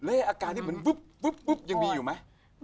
แล้วอาการที่เหมือนปุ๊บยังมีอยู่ไหม